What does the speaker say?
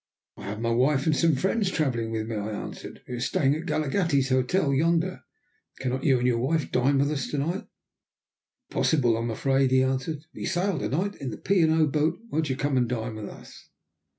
"I have my wife and some friends travelling with me," I answered. "We are staying at Galaghetti's hotel yonder. Cannot you and your wife dine with us to night?" "Impossible, I am afraid," he answered. "We sail to night in the P. and O. boat. Won't you come and dine with us?"